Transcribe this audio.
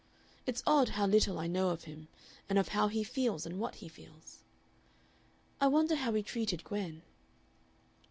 It's odd how little I know of him, and of how he feels and what he feels." "I wonder how he treated Gwen."